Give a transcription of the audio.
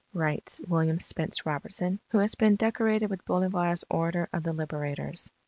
writes William Spence Robertson, who has been decorated with Bolivar's Order of the Liberators.